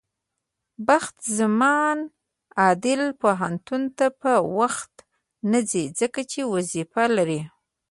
بخت زمان عادل پوهنتون ته په وخت نځي، ځکه چې وظيفه لري.